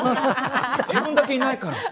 自分だけいないから。